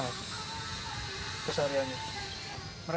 mereka keluar rumah atau